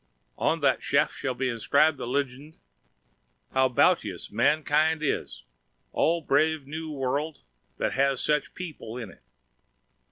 On th shaft shall b inscribd th lgnd: "How bautous mankind is! Oh brav nw world, That has much peepl in't!"